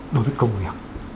đối với công việc